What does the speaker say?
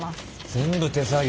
全部手作業。